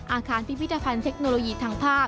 อาการพิพิธธฟันเทคโนโลยีทางภาพ